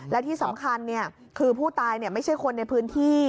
และที่สำคัญคือผู้ตายไม่ใช่คนในพื้นที่